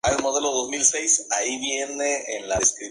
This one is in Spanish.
Kim Manresa suele trabajar en blanco y negro.